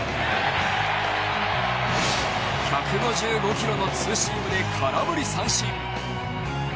１５５キロのツーシームで空振り三振。